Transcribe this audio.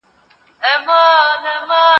له ځانه ګیله من یمه ګیله به مي کوله